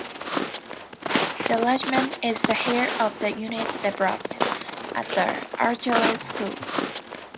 The Regiment is the heir of the units deployed at the Artillery School.